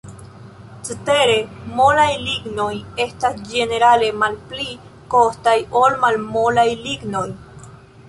Cetere, molaj lignoj estas ĝenerale malpli kostaj ol malmolaj lignoj.